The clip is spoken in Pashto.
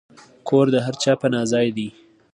کور د هر چا پناه ځای دی.